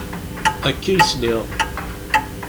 Akka i sliɣ.